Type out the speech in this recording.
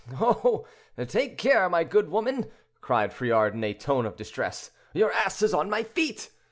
"Oh! take care, my good woman," cried Friard, in a tone of distress; "your ass is on my feet.